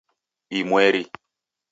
Imweri